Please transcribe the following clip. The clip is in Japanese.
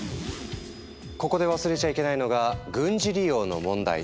ここで忘れちゃいけないのが軍事利用の問題。